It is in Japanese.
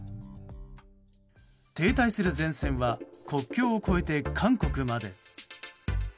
停滞する前線は国境を越えて韓国まで。